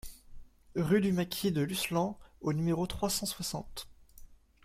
Rue du Maquis de Lucelans au numéro trois cent soixante